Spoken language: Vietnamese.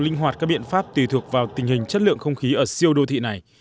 linh hoạt các biện pháp tùy thuộc vào tình hình chất lượng không khí ở siêu đô thị này